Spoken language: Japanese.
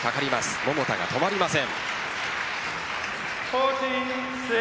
桃田が止まりません。